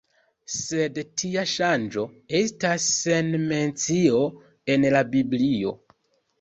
Sed tia ŝanĝo estas sen mencio en la Biblio.